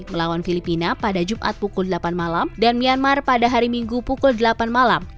melawan filipina pada jumat pukul delapan malam dan myanmar pada hari minggu pukul delapan malam